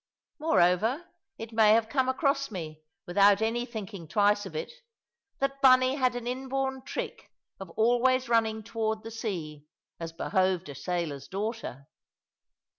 Moreover, it may have come across me, without any thinking twice of it, that Bunny had an inborn trick of always running toward the sea, as behoved a sailor's daughter.